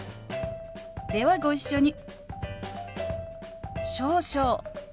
ではご一緒に。